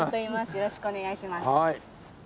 よろしくお願いします。